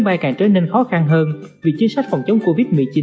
bây giờ mình có đợi đi sang nữa thì cũng chả biết tới bao giờ